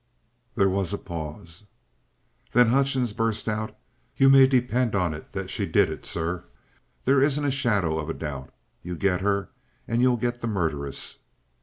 There was a pause. Then Hutchings burst out: "You may depend on it that she did it, sir. There isn't a shadow of a doubt. You get her and you'll get the murderess."